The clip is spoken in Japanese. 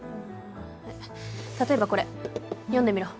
例えばこれ読んでみろ。